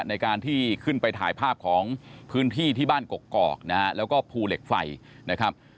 ในการที่ขึ้นไปถ่ายภาพของพื้นที่ที่บ้านกกอกนะฮะแล้วก็ภูเหล็กไฟนะครับ